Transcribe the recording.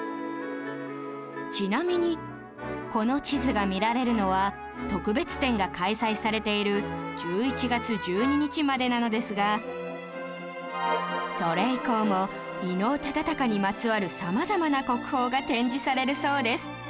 ちなみにこの地図が見られるのは特別展が開催されている１１月１２日までなのですがそれ以降も伊能忠敬にまつわる様々な国宝が展示されるそうです